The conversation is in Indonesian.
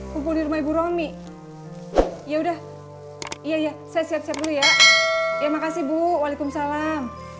kumpul di rumah ibu romi ya udah iya saya siap siap dulu ya ya makasih bu waalaikumsalam